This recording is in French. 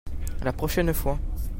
La pochaine fois.